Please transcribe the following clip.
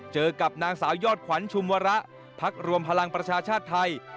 เจอกับนางสาวยอดขวัญชุมวระพักรวมพลังประชาชาติไทย